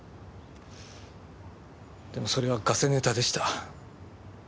でもそれはガセネタでした。